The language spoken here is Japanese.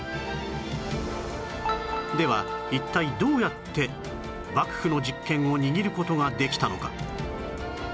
では一体どうやって幕府の実権を握る事ができたのか？